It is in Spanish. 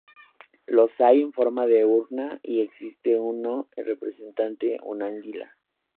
Los hay en forma de urna y existe uno que representa un águila.